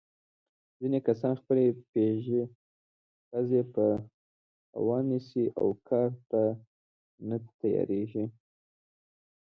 ځینې کسان خپلې پزې په هوا نیسي او کار ته نه تیارېږي.